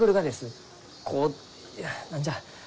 こう何じゃ？